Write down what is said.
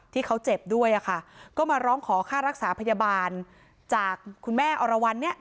ที่เขาเจ็บด้วยอะค่ะก็มาร้องขอค่ารักษาพยาบาลจากคุณแม่อรวรรณเนี่ย